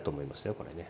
これね。